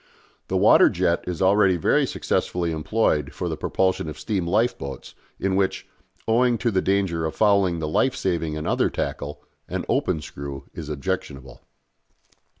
The water jet is already very successfully employed for the propulsion of steam lifeboats in which, owing to the danger of fouling the life saving and other tackle, an open screw is objectionable.